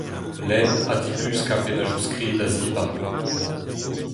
Lenn ha dibluskañ pennadoù-skrid a-zibab.